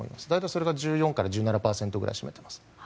それが１４から１７％ぐらいを占めています。